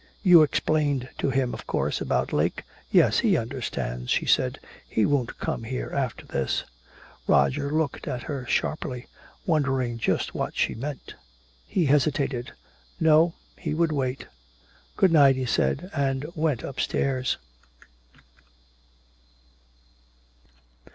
You explained to him, of course, about Lake " "Yes, he understands," she said. "He won't come here after this " Roger looked at her sharply, wondering just what she meant. He hesitated. No, he would wait. "Good night," he said, and went upstairs.